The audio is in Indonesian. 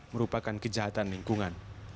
merupakan kejahatan lingkungan